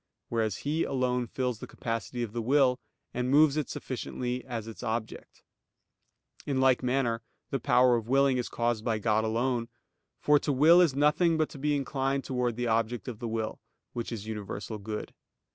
Whereas He alone fills the capacity of the will, and moves it sufficiently as its object. In like manner the power of willing is caused by God alone. For to will is nothing but to be inclined towards the object of the will, which is universal good.